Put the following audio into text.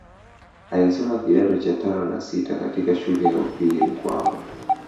Alisoma kidato cha tano na sita katika shule ya upili mkwawa